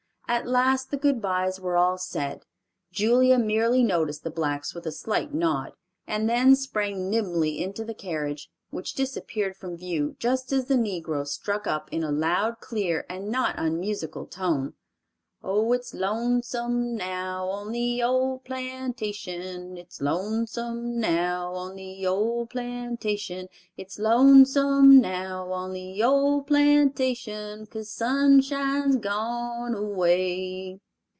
At last the good byes were all said, Julia merely noticed the blacks with a slight nod, and then sprang nimbly into the carriage, which disappeared from view just as the negroes struck up in a loud, clear and not unmusical tone: "Oh, it's lonesome now on the old plantation, It's lonesome now on the old plantation, It's lonesome now on the old plantation, Case Sunshine's gone away."